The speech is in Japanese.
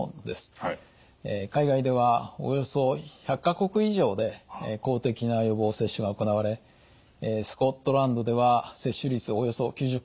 海外ではおよそ１００か国以上で公的な予防接種が行われスコットランドでは接種率およそ９０％。